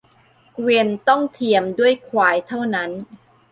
เกวียนก็ต้องเทียมด้วยควายเท่านั้น